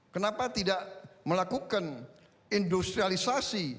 kenapa tidak melakukan industrialisasi